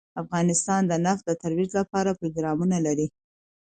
افغانستان د نفت د ترویج لپاره پروګرامونه لري.